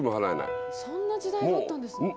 そんな時代があったんですね。